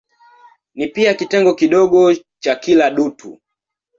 Ni pia kitengo kidogo cha kila dutu.